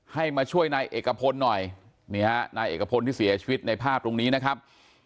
ให้มาช่วยนายเอกพลหน่อยนี่ฮะนายเอกพลที่เสียชีวิตในภาพตรงนี้นะครับ